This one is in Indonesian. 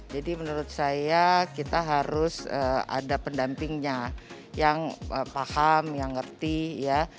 jadi menurut saya kita harus ada pendampingnya yang paham yang ngerti ya